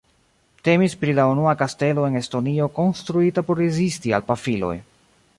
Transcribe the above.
Temis pri la unua kastelo en Estonio konstruita por rezisti al pafiloj.